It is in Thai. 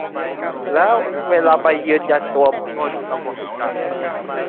แล้วเวลาไปยืนยันตัวตนระบบจะ